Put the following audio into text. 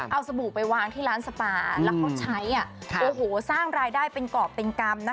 เอาสบู่ไปวางที่ร้านสปาแล้วเขาใช้โอ้โหสร้างรายได้เป็นกรอบเป็นกรรมนะคะ